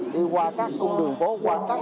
đi qua các cung đường phố đi qua các điểm di tích